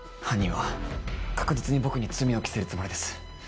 犯人は確実に僕に罪を着せるつもりです。